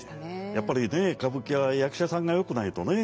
やっぱり歌舞伎は役者さんがよくないとね